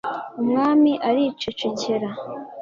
umwami aricecekera